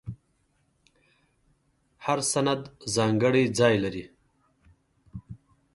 هر سند ځانګړی ځای لري.